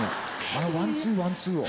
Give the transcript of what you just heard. あの「ワン・ツーワン・ツー」を？